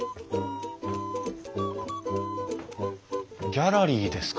ギャラリーですか！